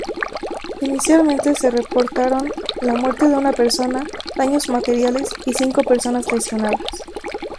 Inicialmente, se reportaron la muerte de una persona, daños materiales y cinco personas lesionadas.